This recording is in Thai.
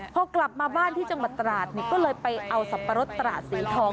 พอกลับมาบ้านที่จังหวัดตราดก็เลยไปเอาสับปะรดตราดสีทอง